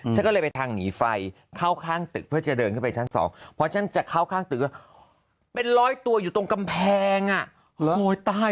ฉันก็เลยไปทางหนีไฟเข้าข้างตึกเพื่อจะเดินเข้าไปชั้น๒เพราะฉันจะเข้าข้างตึกว่าเป็นร้อยตัวอยู่ตรงกำแพงอ่ะ